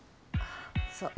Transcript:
あぁそう。